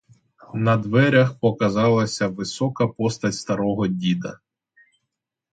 На дверях показалася висока постать старого діда.